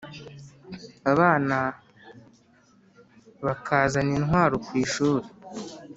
abana bakazana intwaro kwishuli